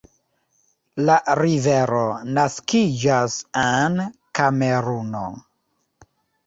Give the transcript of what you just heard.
La rivero naskiĝas en Kameruno.